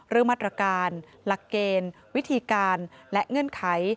เรื่องมาตรการหลักเกณฑ์วิธีการและเงื่อนไข